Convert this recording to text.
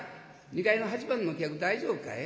２階の８番の客大丈夫かい？